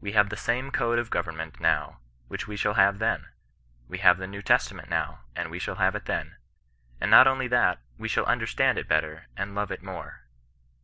We have the same code of government now which we shall have then ; we have the New Testament now, and we shall have it then ; and not only that, we shall under stand it better and love it more.